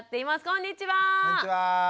こんにちは。